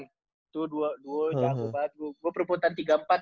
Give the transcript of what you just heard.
itu duo jago banget gue perputaran